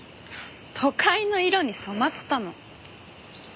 都会の色に染まったの。